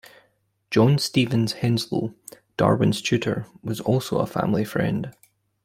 John Stevens Henslow, Darwin's tutor, was also a family friend.